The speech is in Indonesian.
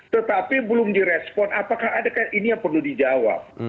tetapi belum direspon apakah ada ini yang perlu dijawab